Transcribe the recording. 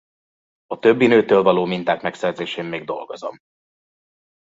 A többi nőtől való minták megszerzésén még dolgozom.